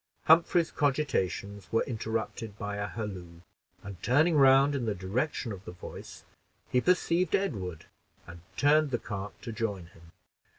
Humphrey's cogitations were interrupted by a halloo, and turning round in the direction of the voice, he perceived Edward, and turned the cart to join him.